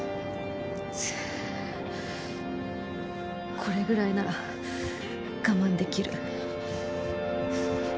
これぐらいなら我慢できる。